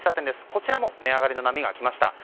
こちらも値上がりの波が来ました。